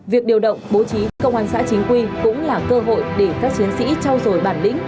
việc điều động bố trí công an xã chính quy cũng là cơ hội để các chiến sĩ trao dồi bản lĩnh